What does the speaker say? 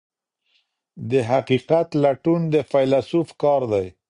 د حقیقت لټون د فیلسوف کار دی.